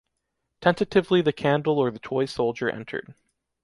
Tentatively the candle or the toy soldier entered.